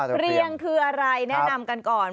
เรียงคืออะไรแนะนำกันก่อน